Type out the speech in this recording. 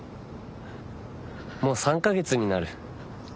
もう３か月になる。